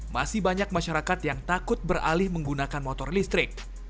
masih banyak masyarakat yang takut beralih menggunakan motor listrik